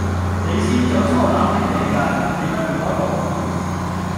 你先祖所立的地界，你不可挪移